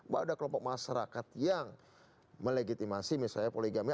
bagaimana kelompok masyarakat yang melegitimasi misalnya poligami